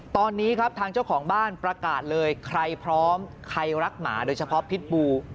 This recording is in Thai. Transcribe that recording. ตอนนี้ครับทางเจ้าของบ้านประกาศเลยใครพร้อมใครรักหมาโดยเฉพาะพิษบู